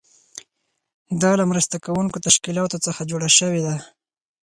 دا له مرسته کوونکو تشکیلاتو څخه جوړه شوې ده.